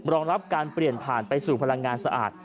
รองรับการเปลี่ยนผ่านไปสู่พลังงานสะอาด